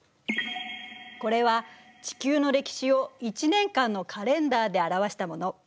これは地球の歴史を１年間のカレンダーで表したもの。